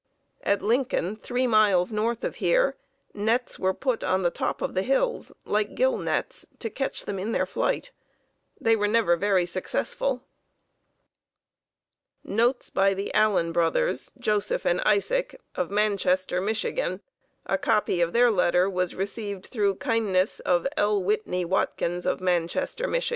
At Lincoln, three miles north of here, nets were put on the top of the hills, like gill nets, to catch them in their flight. They were never very successful. [Illustration: Showing the method of placing pigeon net] (_Notes by the Allen Brothers, Joseph and Isaac, of Manchester, Mich. A copy of their letter was received through kindness of L. Whitney Watkins, of Manchester, Mich.